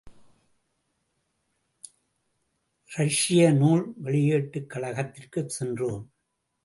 இரஷிய நூல் வெளியீட்டுக் கழகத்திற்குச் சென்றோம்.